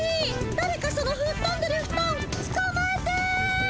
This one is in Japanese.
だれかそのふっとんでるフトンつかまえて！